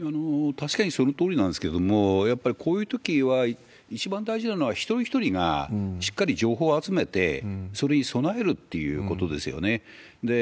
確かにそのとおりなんですけれども、やっぱりこういうときは、一番大事なのは、一人一人がしっかり情報を集めて、それに備えるっていうことですよね。